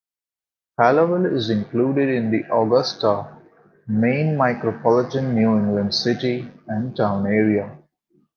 Hallowell is included in the Augusta, Maine micropolitan New England City and Town Area.